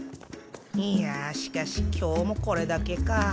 いやしかし今日もこれだけか。